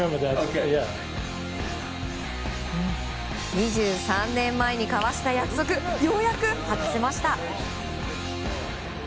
２３年前に交わした約束ようやく果たせました。